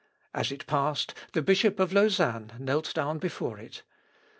As it passed, the Bishop of Lausanne knelt down before it.